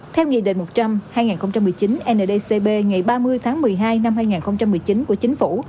theo nghị định một trăm linh hai nghìn một mươi chín ndcb ngày ba mươi tháng một mươi hai năm hai nghìn một mươi chín của chính phủ